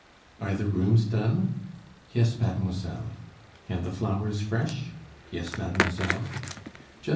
"Are the rooms done?" "Yes, mademoiselle." "And the flowers fresh?" "Yes, mademoiselle."